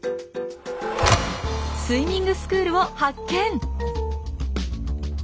スイミングスクールを発見！